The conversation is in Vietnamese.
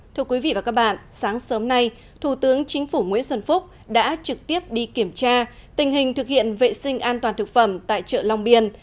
thưa quý vị và các bạn sáng sớm nay thủ tướng chính phủ nguyễn xuân phúc đã trực tiếp đi kiểm tra tình hình thực hiện vệ sinh an toàn thực phẩm tại chợ long biên